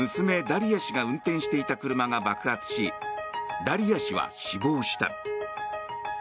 ダリヤ氏が運転していた車が爆発しダリヤ氏は死亡した。